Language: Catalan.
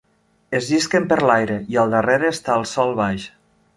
Es llisquen per l'aire, i al darrere està el sol baix.